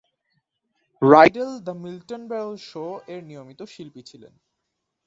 রাইডেল "the Milton Berle শো"-এর নিয়মিত শিল্পী ছিলেন।